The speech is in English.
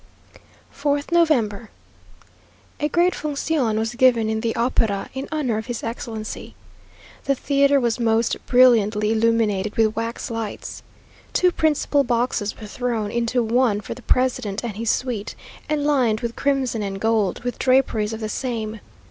4th November. A great función was given in the opera in honour of his excellency. The theatre was most brilliantly illuminated with wax lights. Two principal boxes were thrown into one for the president and his suite, and lined with crimson and gold, with draperies of the same.